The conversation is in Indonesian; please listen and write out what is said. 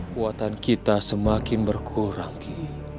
kuatan kita semakin berkurang ki